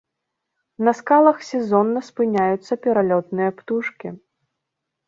На скалах сезонна спыняюцца пералётныя птушкі.